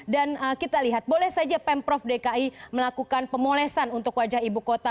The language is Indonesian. dan kita lihat boleh saja pemprov dki melakukan pemolesan untuk wajah ibu kota